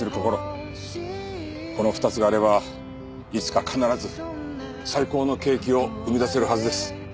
この２つがあればいつか必ず最高のケーキを生み出せるはずです。